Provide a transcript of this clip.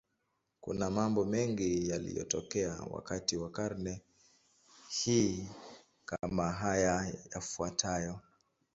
Kuna mambo mengi yaliyotokea wakati wa karne hii, kama haya yafuatayo.